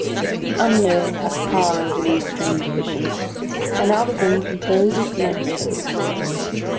The Unknown has power over these strange visions, and out of them composes monsters.